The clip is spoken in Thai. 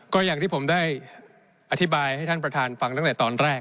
ก็อย่างที่ผมได้อธิบายให้ท่านประธานฟังตั้งแต่ตอนแรก